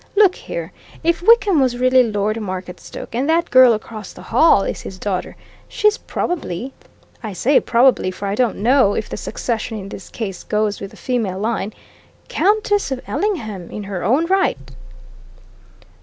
Look here! if Wickham was really Lord Marketstoke, and that girl across the hall is his daughter, she's probably I say probably, for I don't know if the succession in this case goes with the female line Countess of Ellingham, in her own right!"